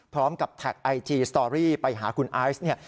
พร้อมกับแท็กไอจีสตอรี่ไปหาคุณไอซ์เนี่ย